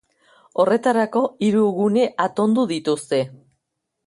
Horretarako, hiru gune atondu dituzte.